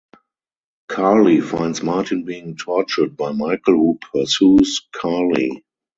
Carly finds Martin being tortured by Michael who pursues Carly.